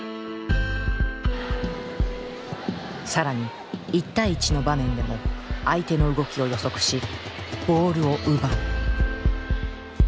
更に１対１の場面でも相手の動きを予測しボールを奪う。